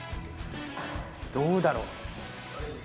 どうだろう？